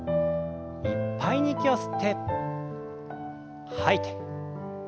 いっぱいに息を吸って吐いて。